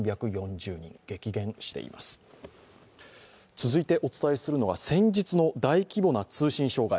続いてお伝えするのは先日の大規模な通信障害